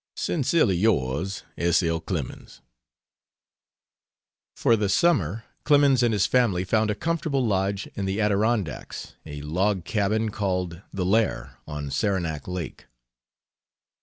Sincerely yours, S. L. CLEMENS. For the summer Clemens and his family found a comfortable lodge in the Adirondacks a log cabin called "The Lair" on Saranac Lake.